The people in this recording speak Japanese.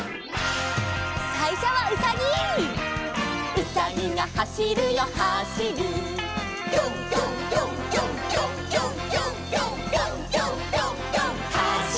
「うさぎがはしるよはしる」「ぴょんぴょんぴょんぴょんぴょんぴょんぴょんぴょん」「ぴょんぴょんぴょんぴょんはしる」